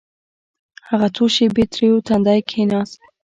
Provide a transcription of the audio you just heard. هغه څو شېبې تريو تندى کښېناست.